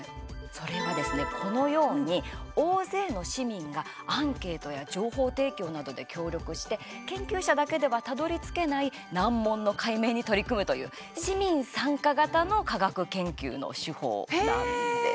それはですね、このように大勢の市民がアンケートや情報提供などで協力して研究者だけではたどりつけない難問の解明に取り組むという市民参加型の科学研究の手法なんです。